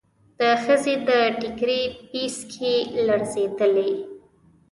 د ښځې د ټکري پيڅکې لړزېدلې.